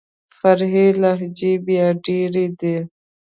فرعي لهجې بيا ډېري دي.